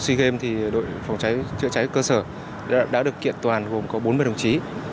sea games thì đội phòng cháy chữa cháy cơ sở đã được kiện toàn gồm có bốn mươi đồng chí